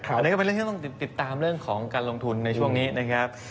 อันนี้ก็เป็นเรื่องที่ต้องติดตามเรื่องของการลงทุนในช่วงนี้นะครับ